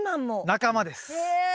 仲間です。